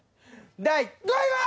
第５位は！